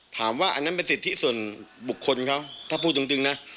อันนั้นเป็นสิทธิส่วนบุคคลเขาถ้าพูดจริงนะ